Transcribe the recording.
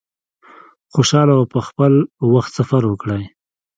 خوشحاله او په خپل وخت سفر وکړی.